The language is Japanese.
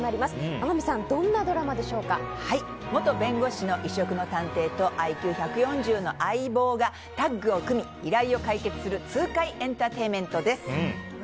天海さん元弁護士の異色の探偵とＩＱ１４０の相棒がタッグを組み依頼を解決する痛快エンターテインメントです。